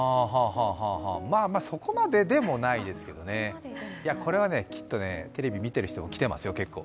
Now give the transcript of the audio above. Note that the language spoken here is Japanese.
まあ、そこまででもないですけどね。これはね、きっとねテレビ見てる人もきてますよ。